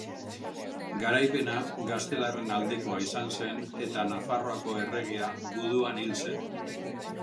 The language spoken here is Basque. Garaipena gaztelarren aldekoa zen eta Nafarroako erregea guduan hil zen.